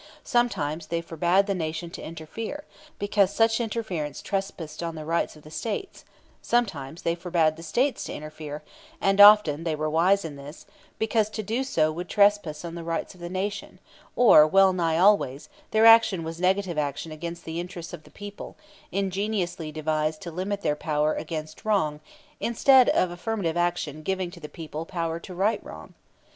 Sometimes they forbade the Nation to interfere, because such interference trespassed on the rights of the States; sometimes they forbade the States to interfere (and often they were wise in this), because to do so would trespass on the rights of the Nation; but always, or well nigh always, their action was negative action against the interests of the people, ingeniously devised to limit their power against wrong, instead of affirmative action giving to the people power to right wrong.